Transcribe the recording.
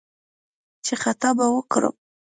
چې «خطا به وکړم»